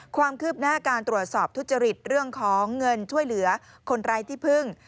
ความคืบหน้าการตรวจสอบทุจริตเรื่องของเงินช่วยเหลือคนไร้ที่พึ่ง